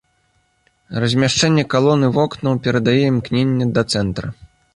Размяшчэнне калон і вокнаў перадае імкненне да цэнтра.